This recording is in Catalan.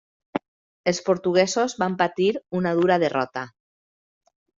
Els portuguesos van patir una dura derrota.